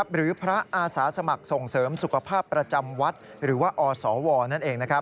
หรือพระอาสาสมัครส่งเสริมสุขภาพประจำวัดหรือว่าอสวนั่นเอง